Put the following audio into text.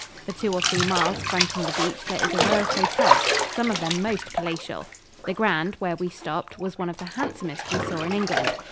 For two or three miles fronting the beach there is a row of hotels, some of them most palatial. The Grand, where we stopped, was one of the handsomest we saw in England.